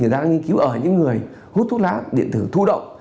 người đang nghiên cứu ở những người hút thuốc lá điện tử thụ động